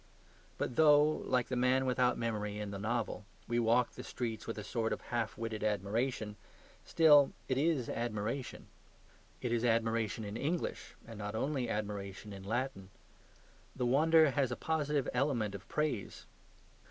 But though (like the man without memory in the novel) we walk the streets with a sort of half witted admiration, still it is admiration. It is admiration in English and not only admiration in Latin. The wonder has a positive element of praise.